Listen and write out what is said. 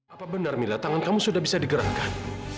apa benar mila tangan kamu sudah bisa digerakkan